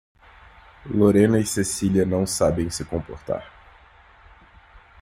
Lorena e Cecília não sabem se comportar.